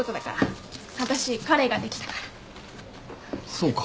そうか。